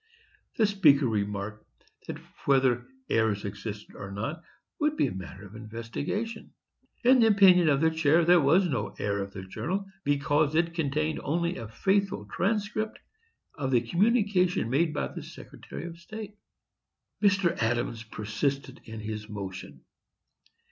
The Speaker remarked that whether errors existed or not would be matter of investigation. In the opinion of the chair, there was no error of the journal, because it contained only a faithful transcript of the communication made by the Secretary of State. Mr. Adams persisted in his motion.